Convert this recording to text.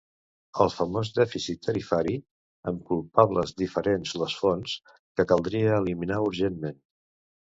El famós dèficit tarifari -amb culpables diferents les fonts- que caldria eliminar urgentment.